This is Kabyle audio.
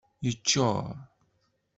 Yeččur.